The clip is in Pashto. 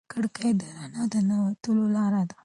کړکۍ د رڼا د ننوتلو لار ده.